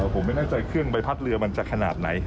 ผมไม่แน่ใจเครื่องใบพัดเรือมันจะขนาดไหน